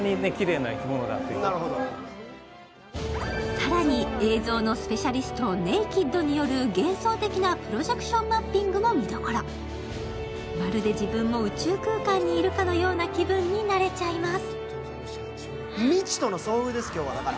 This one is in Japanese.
更に映像のスペシャリストネイキッドによる幻想的なプロジェクションマッピングも見どころ、まるで自分も宇宙空間にいるかのような気分になれちゃいます。